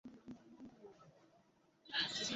সে তোকে বলেছে?